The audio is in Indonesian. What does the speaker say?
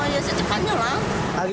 ya secepatnya lah